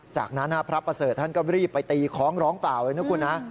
จากนั้นพระประเสริฐท่านก็รีบไปตีคล้องร้องเปล่าเลยนะคุณนะ